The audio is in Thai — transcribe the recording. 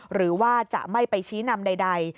หรือว่าจะไม่ไปชี้นำใด